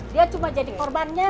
dia cuma jadi korbannya